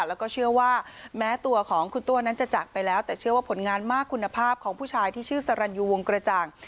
แล้วก็เชื่อว่าแม้ตัวของคุณตัวนั้นจะจากไปแล้วแต่เชื่อว่าผลงานมากคุณภาพของผู้ชายที่ชื่อสรรยูวงกระจ่าง